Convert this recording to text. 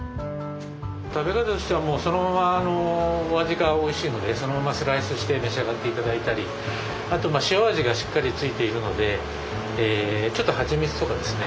食べ方としてはそのままのお味がおいしいのでそのままスライスして召し上がって頂いたりあと塩味がしっかりついているのでちょっと蜂蜜とかですね